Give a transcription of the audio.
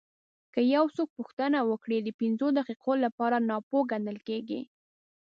که یو څوک پوښتنه وکړي د پنځو دقیقو لپاره ناپوه ګڼل کېږي.